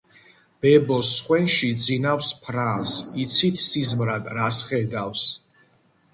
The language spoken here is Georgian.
ბებოს სხვენში ძინავს ფრანს, იცით სიზმრად რას ხედავს